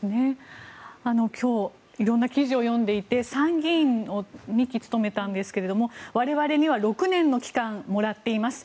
今日、色々な記事を読んでいて参議院を２期務めたんですが我々は６年の期間もらっています。